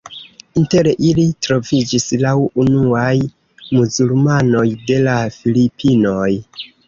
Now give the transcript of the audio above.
Inter ili troviĝis la unuaj muzulmanoj de la Filipinoj.